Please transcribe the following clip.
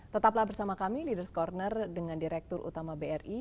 tetaplah bersama kami leaders' corner dengan direktur utama bri